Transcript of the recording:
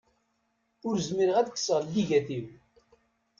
Ur zmireɣ ad kkseɣ lligat-iw.